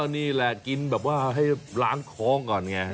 นี่แหละกินแบบว่าให้ล้างคล้องก่อนไง